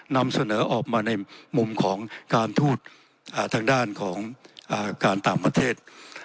นำเสนอออกมาในมุมของการทูตทางด้านของการต่างประเทศ